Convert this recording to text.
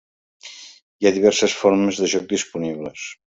Hi ha diverses formes de joc disponibles.